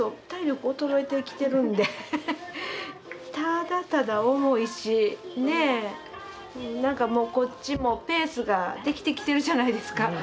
体力衰えてきてるんでただただ重いしねえなんかもうこっちもペースができてきてるじゃないですか。